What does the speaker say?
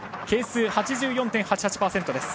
係数８４．８８％。